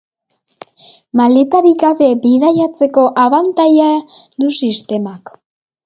Maletarik gabe bidaiatzeko abantaila du sistemak.